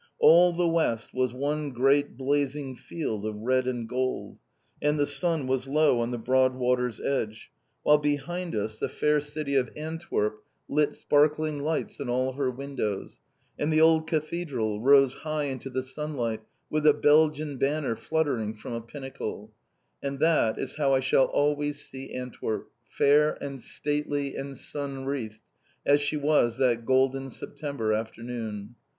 All the west was one great blazing field of red and gold, and the sun was low on the broad water's edge, while behind us the fair city of Antwerp lit sparkling lights in all her windows, and the old Cathedral rose high into the sunlight, with the Belgian banner fluttering from a pinnacle; and that is how I shall always see Antwerp, fair, and stately, and sun wreathed, as she was that golden September afternoon.